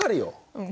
うん。